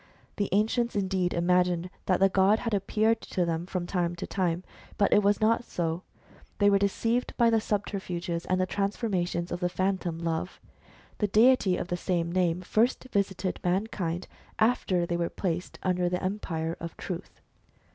The ancients indeed imagined that the god had appeared to them from time to time ; but it was not so. They were deceived by the subterfuges and transformations of the Phantom Love. The deity of the same name first visited mankind after they were placed under the empire of Truth.